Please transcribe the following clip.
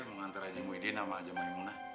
mengantar aja muidin sama aja maimunah